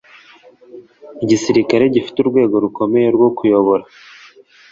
Igisirikare gifite urwego rukomeye rwo kuyobora.